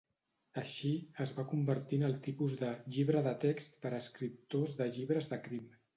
Així, es va convertir en el tipus de "llibre de text per escriptors de llibres de crim".